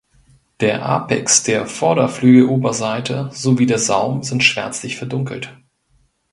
Der Apex der Vorderflügeloberseite sowie der Saum sind schwärzlich verdunkelt.